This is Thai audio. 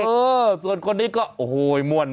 เออส่วนคนนี้ก็โอ้โหมวล